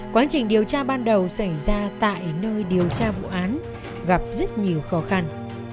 quá trình điều tra ban đầu xảy ra tại nơi điều tra vụ án gặp rất nhiều khó khăn